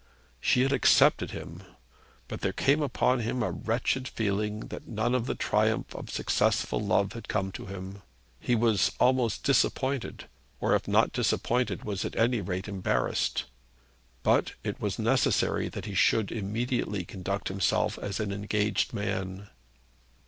She had accepted him; but there came upon him a wretched feeling that none of the triumph of successful love had come to him. He was almost disappointed, or if not disappointed, was at any rate embarrassed. But it was necessary that he should immediately conduct himself as an engaged man.